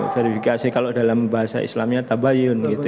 verifikasi kalau dalam bahasa islamnya tabayun gitu